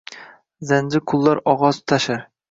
Zanji qullar og’och tashir